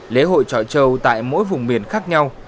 lễ hội chợ châu tại mỗi vùng biển khác nhau